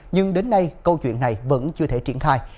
nhưng đến nay câu chuyện này vẫn chưa thể triển khai